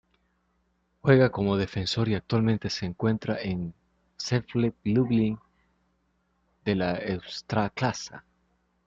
Juega como Defensor y actualmente se encuentra en Zagłębie Lubin de la Ekstraklasa.